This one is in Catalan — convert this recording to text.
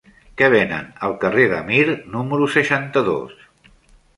Què venen al carrer de Mir número seixanta-dos?